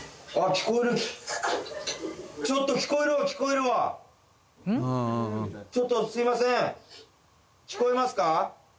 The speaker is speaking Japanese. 聞こえるちょっと聞こえるわ聞こえるわちょっとすいません聞こえますか？